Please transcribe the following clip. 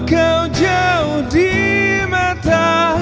kamu jauh di mata